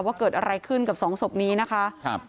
ว่าเกิดอะไรขึ้นกับสองศพนี้นะคะครับ